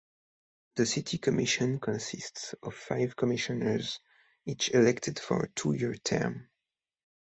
The city commission consists of five commissioners, each elected for a two-year term.